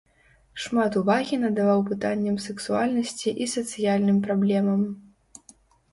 Шмат увагі надаваў пытанням сексуальнасці і сацыяльным праблемам.